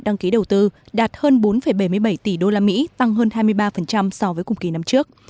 đăng ký đầu tư đạt hơn bốn bảy mươi bảy tỷ usd tăng hơn hai mươi ba so với cùng kỳ năm trước